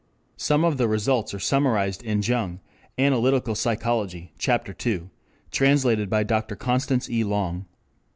Some of the results are summarized in Jung, Analytical Psychology, Ch. II, transl. by Dr. Constance E. Long.